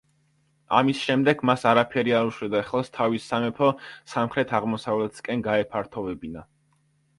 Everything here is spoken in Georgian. ამის შემდეგ მას არაფერი არ უშლიდა ხელს, თავისი სამეფო სამხრეთ-აღმოსავლეთისკენ გაეფართოვებინა.